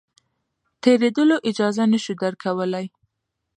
تېرېدلو اجازه نه شو درکولای.